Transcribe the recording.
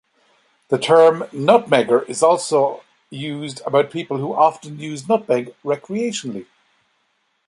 The term "nutmegger" is also used about people who often use nutmeg recreationally.